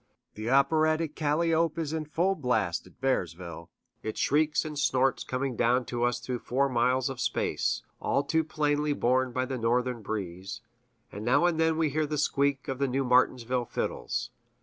The operatic calliope is in full blast, at Bearsville, its shrieks and snorts coming down to us through four miles of space, all too plainly borne by the northern breeze; and now and then we hear the squeak of the New Martinsville fiddles.